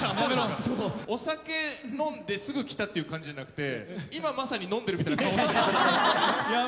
お酒飲んですぐ来た感じじゃなくて今まさに飲んでるみたいな顔してた。